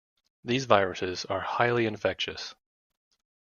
These viruses are highly infectious.